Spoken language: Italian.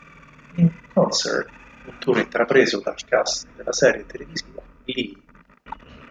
In Concert!, un tour intrapreso dal cast della serie televisiva "Glee".